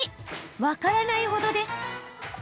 分からないほどです。